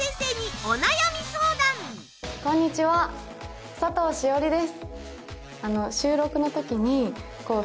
こんにちは佐藤栞里です。